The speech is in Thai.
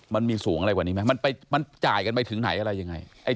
มันมีสูงอะไรกว่านี้ไหมมันจ่ายกันไปถึงไหนอะไรยังไง